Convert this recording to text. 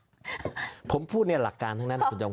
สวผมพูดแน่หลักการทั้งนั้นคุณจริง